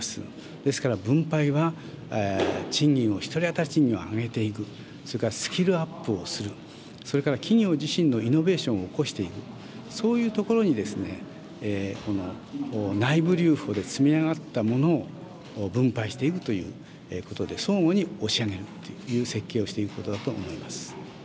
ですから、分配は賃金を、１人当たり賃金を上げていく、それからスキルアップをする、それから企業自身のイノベーションを起こしていく、そういうところに、内部留保で積み上がったものを分配していくということで、相互に押し上げるという設計をしていくことだと思います。